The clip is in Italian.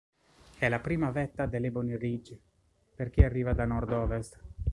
È la prima vetta dell'Ebony Ridge per chi arriva da nordovest.